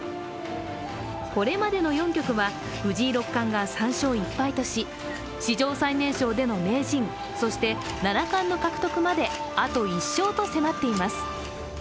これまでの４局は藤井六冠が３勝１敗とし、史上最年少での名人、そして七冠の獲得まであと１勝と迫っています。